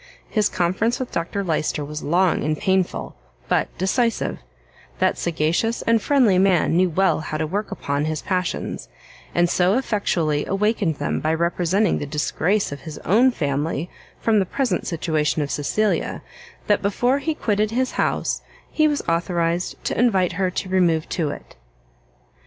His conference with Dr Lyster was long and painful, but decisive: that sagacious and friendly man knew well how to work upon, his passions, and so effectually awakened them by representing the disgrace of his own family from the present situation of Cecilia, that before he quitted his house he was authorised to invite her to remove to it.